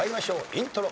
イントロ。